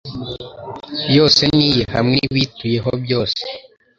yose ni iye hamwe n’ibiyituyeho byose